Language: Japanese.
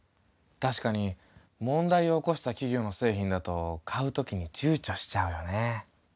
確かに問題を起こした企業の製品だと買うときにちゅうちょしちゃうよね。